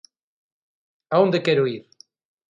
¿A onde quero ir?